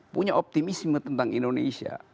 punya optimisme tentang indonesia